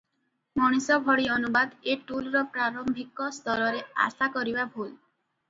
ମଣିଷ ଭଳି ଅନୁବାଦ ଏ ଟୁଲର ପ୍ରାରମ୍ଭିକ ସ୍ତରରେ ଆଶାକରିବା ଭୁଲ ।